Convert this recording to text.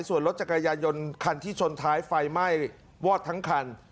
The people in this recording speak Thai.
ส่วนรถจักรยายนคันที่ชนท้ายไฟไหม้วอดทั้งคัน